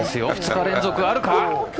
２日連続あるか。